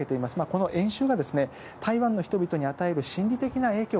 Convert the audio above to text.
この演習が台湾の人々に与える心理的な影響